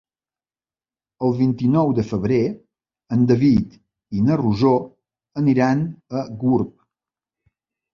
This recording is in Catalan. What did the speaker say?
El vint-i-nou de febrer en David i na Rosó aniran a Gurb.